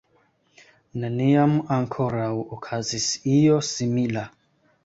Neniam ankoraŭ okazis io simila.